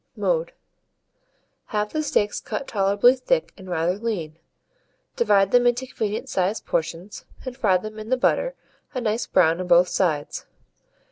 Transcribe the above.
Mode. Have the steaks cut tolerably thick and rather lean; divide them into convenient sized pieces, and fry them in the butter a nice brown on both sides.